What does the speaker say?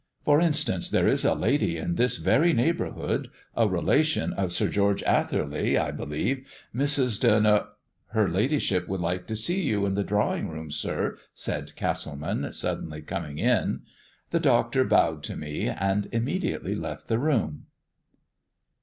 For instance, there is a lady in this very neighbourhood, a relation of Sir George Atherley, I believe, Mrs. de No " "Her ladyship would like to see you in the drawing room, sir," said Castleman, suddenly coming in. The doctor bowed to me and immediately left the room.